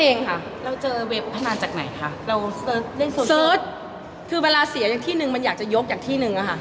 เองค่ะเราเจอเวย์พัฒนาจากไหนคะเราเสิร์ชคือเวลาเสียจากที่นึงมันอยากจะยกอย่างที่หนึ่งอะค่ะ